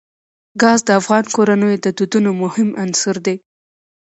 ګاز د افغان کورنیو د دودونو مهم عنصر دی.